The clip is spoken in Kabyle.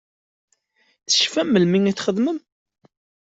Tecfam melmi i t-txedmem?